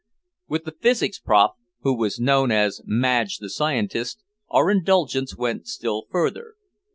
With the physics prof, who was known as "Madge the Scientist," our indulgence went still further.